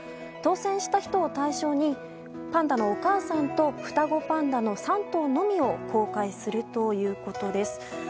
当選した人を対象にパンダのお母さんと双子パンダの３頭のみを公開するということです。